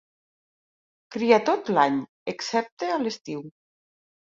Cria tot l'any, excepte a l'estiu.